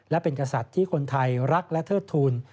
และเป็นกษัตริย์ที่คนไทยรักและเทิดทูล